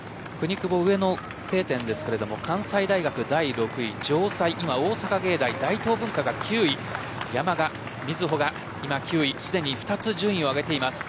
そしてくにくぼ上の定点ですが関西大学、第６位城西、大阪芸大大東文化が９位山賀瑞穂が９位すでに２つ順位を上げています。